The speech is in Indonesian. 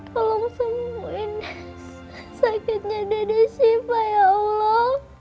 tolong sembuhin sakitnya dede siva ya allah